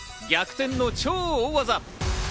逆転の超大技。